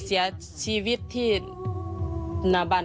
แม่จะมาเรียกร้องอะไร